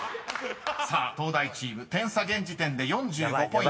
［さあ東大チーム点差現時点で４５ポイント］